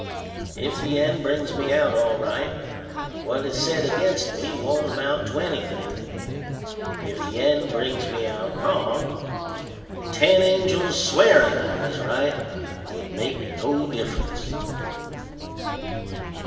If the end brings me out all right, what is said against me won't amount to anything; if the end brings me out wrong, ten angels swearing I was right would make no difference."